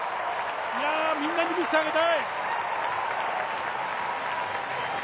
みんなに見せてあげたい。